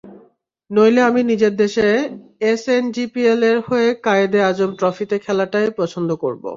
নইলে আমি নিজের দেশে এসএনজিপিএলের হয়ে কায়েদে আজম ট্রফিতে খেলাটাই পছন্দ করব।